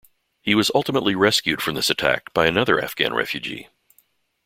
He was ultimately rescued from this attack by another Afghan refugee.